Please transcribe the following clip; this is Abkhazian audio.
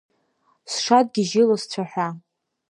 Сшадгьежьыло сцәаҳәа…